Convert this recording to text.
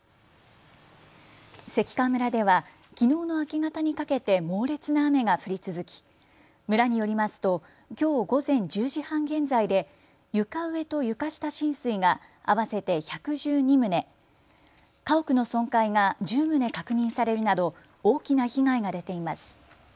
関川村ではきのうの明け方にかけて猛烈な雨が降り続き村によりますときょう午前１０時半現在で床上と床下浸水が合わせて１１２棟、家屋の損壊が１０棟確認されるなど大きな被害が出ています。